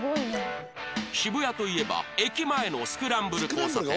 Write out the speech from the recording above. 渋谷といえば駅前のスクランブル交差点